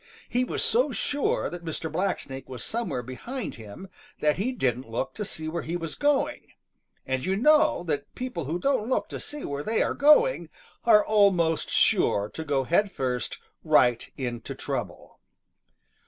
He was so sure that Mr. Blacksnake was somewhere behind him that he didn't look to see where he was going, and you know that people who don't look to see where they are going are almost sure to go headfirst right into trouble.